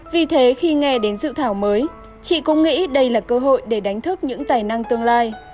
vì thế khi nghe đến dự thảo mới chị cũng nghĩ đây là cơ hội để đánh thức những tài năng tương lai